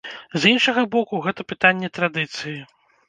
З іншага боку, гэта пытанне традыцыі.